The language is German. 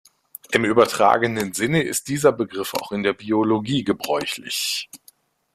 Im übertragenen Sinne ist dieser Begriff auch in der Biologie gebräuchlich.